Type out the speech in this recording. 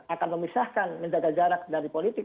akan memisahkan menjaga jarak dari politik